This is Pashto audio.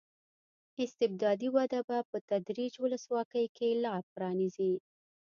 استبدادي وده به په تدریج ولسواکۍ ته لار پرانېزي.